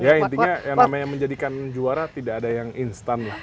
ya intinya yang namanya menjadikan juara tidak ada yang instan lah